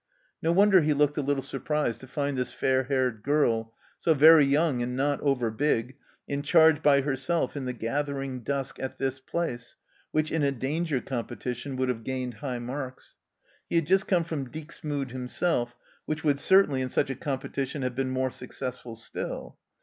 No wonder he looked a little surprised to find this fair haired girl, so very young and not over big, in charge by herself in the gathering dusk, at this place, which in a danger competition would have gained high marks. He had just come from Dixmude himself, which would certainly in such a competition have been more successful still.